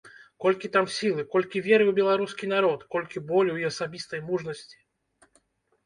Колькі там сілы, колькі веры ў беларускай народ, колькі болю і асабістай мужнасці.